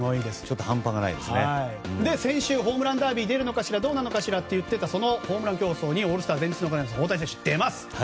先週ホームランダービーに出るのかしらどうなのかしらって言ってたホームラン競争に大谷選手、出ます。